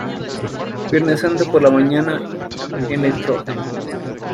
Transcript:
Viernes Santo por la mañana: Ntro.